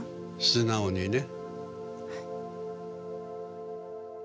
素直にね。